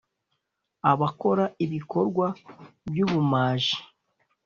abakora ibikorwa by ubumaji